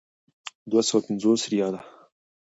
دوه سوه پنځوس ریاله.